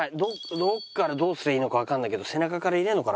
どこからどうすりゃいいのかわかんないけど背中から入れるのかな？